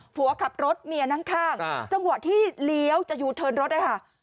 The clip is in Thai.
ผัวขับรถเมียนั่งข้างจังหวะที่เลี้ยวจะยูเทิร์นรถนะคะ